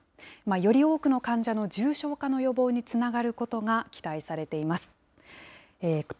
より多くの患者の重症化の予防につながることが期待されています。